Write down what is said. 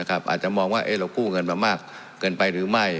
อาจจะมองว่าเรากู้เงินมามากเกินไปหรือไม่